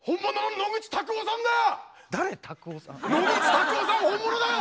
野口たくおさん本物だよ！